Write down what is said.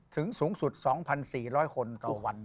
สูงสุด๒๔๐๐คนต่อวัน